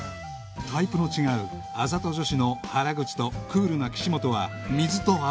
タイプの違うあざと女子の原口とクールな岸本は水と油